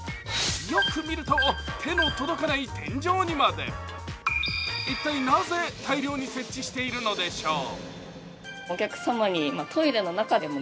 よく見ると、手の届かない天井にまで。一体なぜ大量に設置しているのでしょう？